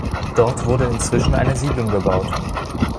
Dort wurde inzwischen eine Siedlung gebaut.